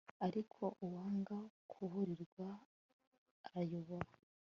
ariko uwanga kuburirwa arayoba